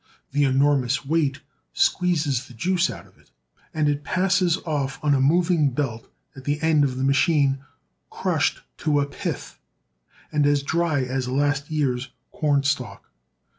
The enormous weight squeezes the juice out of it, and it passes off on a moving belt at the end of the machine, crushed to a pith, and as dry as a last year's corn stalk.